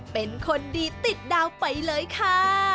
เป็นคนดีติดดาวไปเลยค่ะ